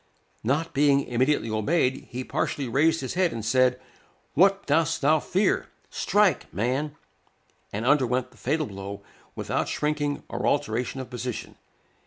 Not being immediately obeyed, he partially raised his head, and said, "What dost thou fear? Strike, man!" and underwent the fatal blow without shrinking or alteration of position.